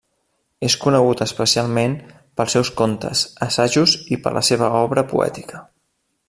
És conegut especialment pels seus contes, assajos i per la seva obra poètica.